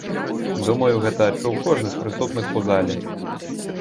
Думаю, гэта адчуў кожны з прысутных у зале.